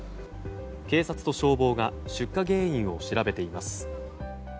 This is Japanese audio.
警察と消防が出火原因を調べています。